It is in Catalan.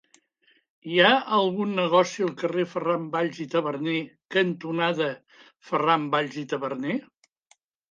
Hi ha algun negoci al carrer Ferran Valls i Taberner cantonada Ferran Valls i Taberner?